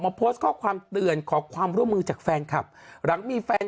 โพสต์ข้อความเตือนขอความร่วมมือจากแฟนคลับหลังมีแฟน